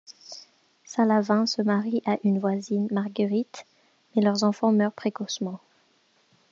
Salavin se marie à une voisine, Marguerite, mais leur enfant meurt précocement.